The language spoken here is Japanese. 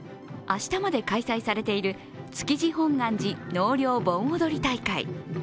明日まで開催されている築地本願寺納涼盆踊り大会。